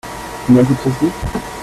Combien coûte ceci ?